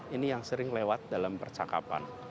ini yang sering lewat dalam percakapan